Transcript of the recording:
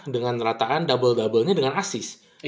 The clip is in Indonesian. dengan rataan double doublenya dengan assist